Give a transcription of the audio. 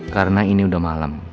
karena ini udah malam